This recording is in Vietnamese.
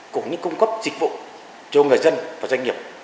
cũng như cung cấp dịch vụ cho người dân và doanh nghiệp